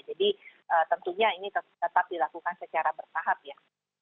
jadi tentunya ini tetap dilakukan secara bertahap ya